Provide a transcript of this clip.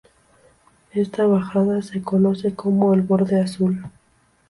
Esta bajada se conoce como el "borde azul.